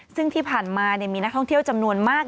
ซึ่งที่ผ่านมามีนักท่องเที่ยวจำนวนมาก